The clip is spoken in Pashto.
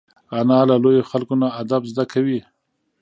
انا له لویو خلکو نه ادب زده کوي